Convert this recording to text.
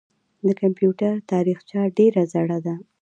د کمپیوټر تاریخچه ډېره زړه ده.